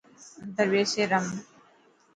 اندر ٻيسي رم.